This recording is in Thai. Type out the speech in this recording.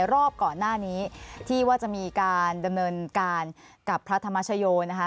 รอบก่อนหน้านี้ที่ว่าจะมีการดำเนินการกับพระธรรมชโยนะคะ